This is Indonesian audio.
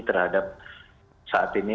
terhadap saat ini